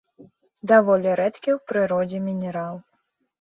Даволі рэдкі ў прыродзе мінерал.